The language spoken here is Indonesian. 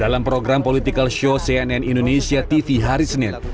dalam program political show cnn indonesia tv hari senin